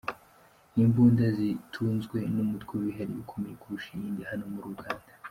Ni imbunda zitunzwe n’umutwe wihariye ukomeye kurusha iyindi hano muri Uganda.